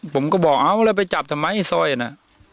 ผมก็บอกเอาละไปจับทำไมซ่อยนะ